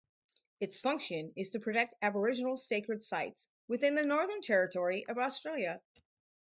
Its function is to protect Aboriginal sacred sites within the Northern Territory of Australia.